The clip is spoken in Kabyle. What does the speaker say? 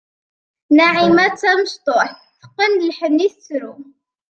Naɛima d tamecṭuḥt, teqqen lḥenni, tettru.